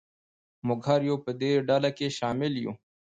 موږ هر یو په دې ډله کې شامل یو.